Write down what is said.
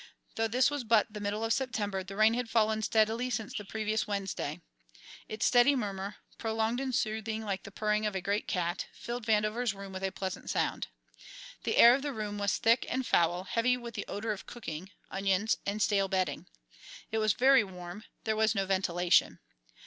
Though this was but the middle of September, the rain had fallen steadily since the previous Wednesday. Its steady murmur, prolonged and soothing like the purring of a great cat, filled Vandover's room with a pleasant sound. The air of the room was thick and foul, heavy with the odour of cooking, onions, and stale bedding. It was very warm; there was no ventilation.